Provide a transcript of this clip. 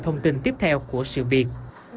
thông tin tiếp theo của sự việc